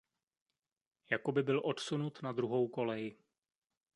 Jako by byl odsunut na druhou kolej.